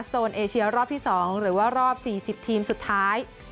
โซนเอเชียรอบที่๒หรือว่ารอบ๔๐ทีมสุดท้าย